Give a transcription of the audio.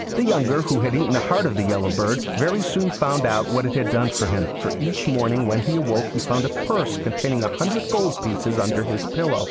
The younger, who had eaten the heart of the Yellow Bird, very soon found out what it had done for him, for each morning when he awoke he found a purse containing a hundred gold pieces under his pillow.